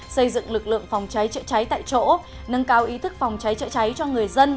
xây dựng lực lượng phòng cháy chữa cháy tại chỗ nâng cao ý thức phòng cháy chữa cháy cho người dân